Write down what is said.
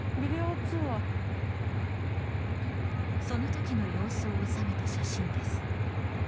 その時の様子を収めた写真です。